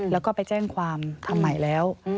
แล้วก็ไปแจ้งความทำใหม่แล้ว